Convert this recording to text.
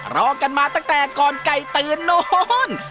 รอกันมาตั้งแต่ก่อนไก่ตื่นโน้น